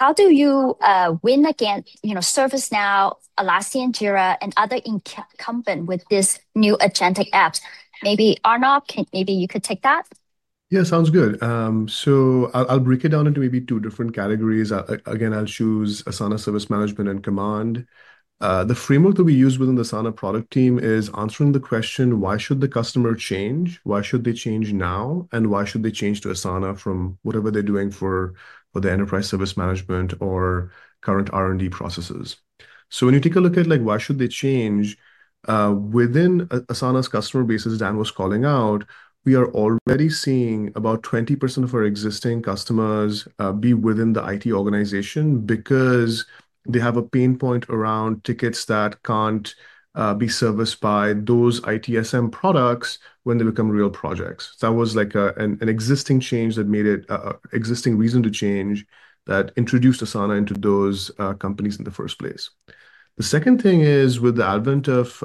how do you win against ServiceNow, Atlassian Jira, and other incumbent with this new agentic apps? Arnab, you could take that. Yeah, sounds good. I'll break it down into maybe two different categories. Again, I'll choose Asana Service Management and Command. The framework that we use within the Asana product team is answering the question, why should the customer change? Why should they change now? Why should they change to Asana from whatever they're doing for the enterprise service management or current R&D processes? When you take a look at why should they change, within Asana's customer base, as Dan was calling out, we are already seeing about 20% of our existing customers be within the IT organization because they have a pain point around tickets that can't be serviced by those ITSM products when they become real projects. That was like an existing reason to change that introduced Asana into those companies in the first place. The second thing is, with the advent of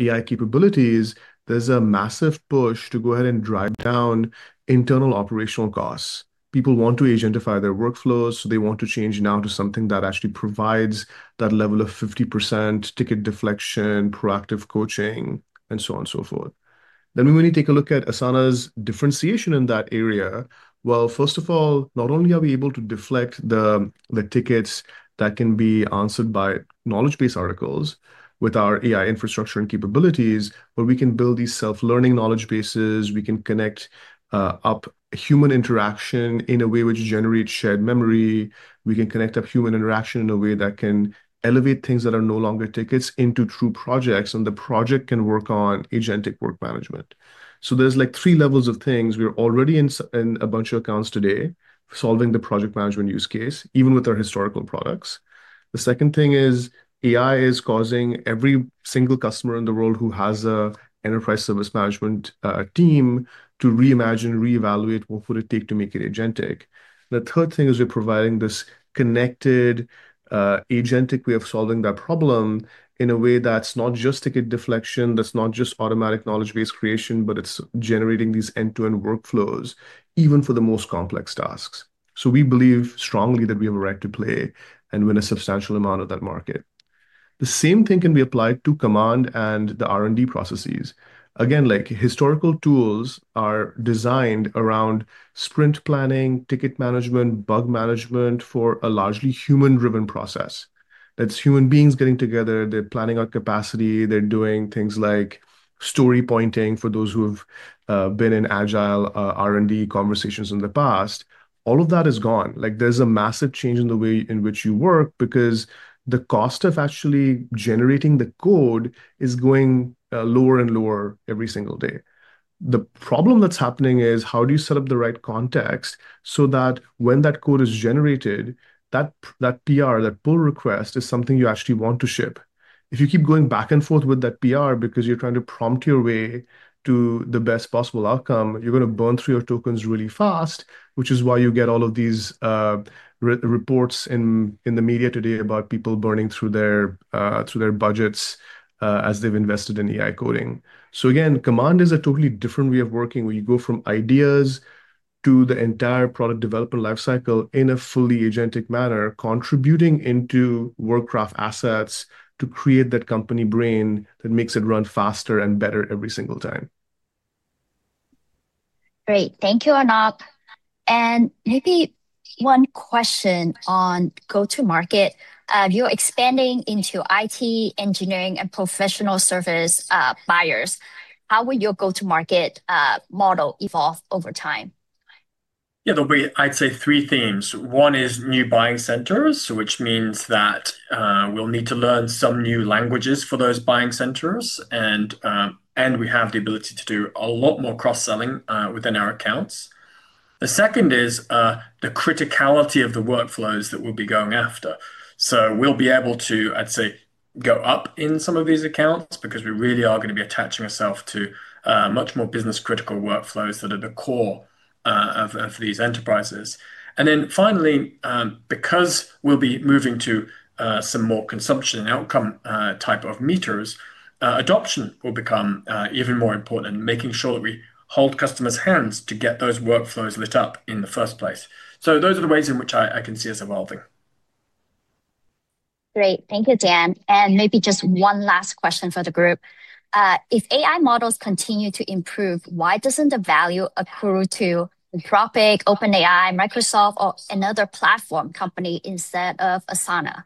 AI capabilities, there's a massive push to go ahead and drive down internal operational costs. People want to agentify their workflows, they want to change now to something that actually provides that level of 50% ticket deflection, proactive coaching, and so on and so forth. When you take a look at Asana's differentiation in that area, well, first of all, not only are we able to deflect the tickets that can be answered by knowledge base articles with our AI infrastructure and capabilities, but we can build these self-learning knowledge bases. We can connect up human interaction in a way which generates shared memory. We can connect up human interaction in a way that can elevate things that are no longer tickets into true projects. The project can work on Agentic Work Management. There's three levels of things. We're already in a bunch of accounts today solving the project management use case, even with our historical products. The second thing is AI is causing every single customer in the world who has a enterprise service management team to reimagine, reevaluate what would it take to make it agentic. The third thing is we're providing this connected, agentic way of solving that problem in a way that's not just ticket deflection, that's not just automatic knowledge base creation, but it's generating these end-to-end workflows, even for the most complex tasks. We believe strongly that we have a right to play and win a substantial amount of that market. The same thing can be applied to Command and the R&D processes. Again, historical tools are designed around sprint planning, ticket management, bug management for a largely human-driven process. That's human beings getting together, they're planning out capacity, they're doing things like story pointing, for those who have been in agile R&D conversations in the past. All of that is gone. There's a massive change in the way in which you work because the cost of actually generating the code is going lower and lower every single day. The problem that's happening is how do you set up the right context so that when that code is generated, that PR, that pull request, is something you actually want to ship. If you keep going back and forth with that PR because you're trying to prompt your way to the best possible outcome, you're going to burn through your tokens really fast, which is why you get all of these reports in the media today about people burning through their budgets as they've invested in AI coding. Again, Command is a totally different way of working, where you go from ideas to the entire product development life cycle in a fully agentic manner, contributing into Work Graph assets to create that company brain that makes it run faster and better every single time. Great. Thank you, Arnab. Maybe one question on go-to-market. You're expanding into IT, engineering, and professional service buyers. How will your go-to-market model evolve over time? Yeah, there'll be, I'd say, three themes. One is new buying centers, which means that we'll need to learn some new languages for those buying centers and we have the ability to do a lot more cross-selling within our accounts. The second is the criticality of the workflows that we'll be going after. We'll be able to, I'd say, go up in some of these accounts because we really are going to be attaching ourself to much more business-critical workflows that are the core of these enterprises. Then finally, because we'll be moving to some more consumption outcome type of meters, adoption will become even more important in making sure that we hold customers' hands to get those workflows lit up in the first place. Those are the ways in which I can see us evolving. Great. Thank you, Dan. Maybe just one last question for the group. If AI models continue to improve, why doesn't the value accrue to Anthropic, OpenAI, Microsoft or another platform company instead of Asana?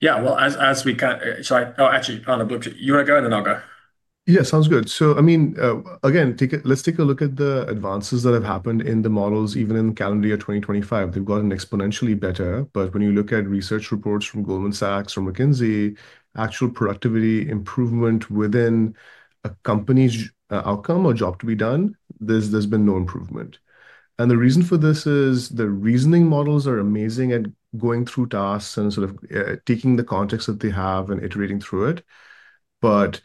Yeah. Well, sorry. Actually, Arnab, you want to go and then I'll go? Yeah, sounds good. Again, let's take a look at the advances that have happened in the models, even in calendar year 2025. They've gotten exponentially better. When you look at research reports from Goldman Sachs or McKinsey, actual productivity improvement within a company's outcome or job to be done, there's been no improvement. The reason for this is the reasoning models are amazing at going through tasks and sort of taking the context that they have and iterating through it.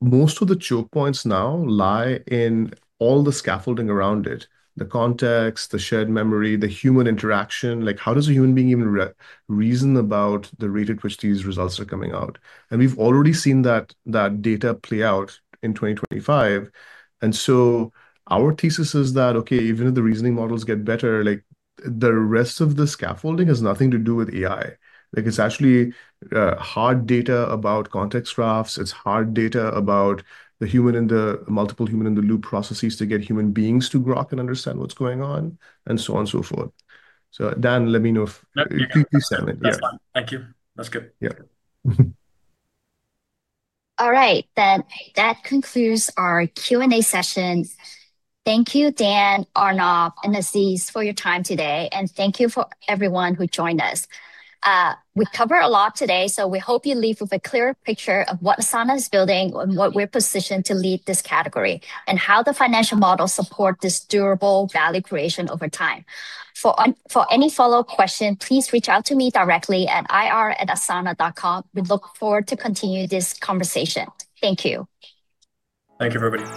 Most of the choke points now lie in all the scaffolding around it, the context, the shared memory, the human interaction. Like how does a human being even reason about the rate at which these results are coming out? We've already seen that data play out in 2025. Our thesis is that, okay, even if the reasoning models get better, the rest of the scaffolding has nothing to do with AI. It's actually hard data about context graphs. It's hard data about the multiple human-in-the-loop processes to get human beings to grok and understand what's going on, and so on and so forth. Dan, let me know if No, you're good. Please do say it. Yeah. That's fine. Thank you. That's good. Yeah. All right, that concludes our Q&A session. Thank you Dan, Arnab, and Aziz for your time today, and thank you for everyone who joined us. We covered a lot today, so we hope you leave with a clearer picture of what Asana is building and what we're positioned to lead this category, and how the financial models support this durable value creation over time. For any follow-up question, please reach out to me directly at ir@asana.com. We look forward to continue this conversation. Thank you. Thank you, everybody.